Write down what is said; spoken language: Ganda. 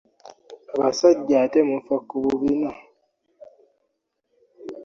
Abasajja ate mufa ku bubina.